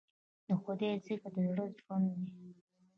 د خدای ذکر د زړه ژوند دی.